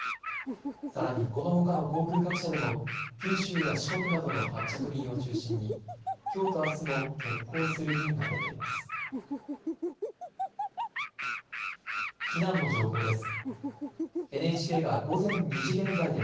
さらに、このほかの航空各社でも九州や四国などの発着便を中心にきょうとあすも欠航する便が出ています。